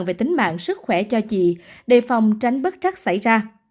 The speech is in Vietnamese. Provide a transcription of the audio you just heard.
về tính mạng sức khỏe cho chị đề phòng tránh bất chắc xảy ra